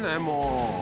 もう。